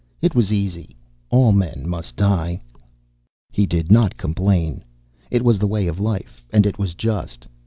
It was easy. All men must die. He did not complain. It was the way of life, and it was just.